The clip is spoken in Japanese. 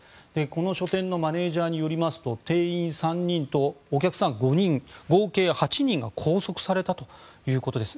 この書店のマネジャーによると店員３人とお客さん５人、合計８人が拘束されたということです。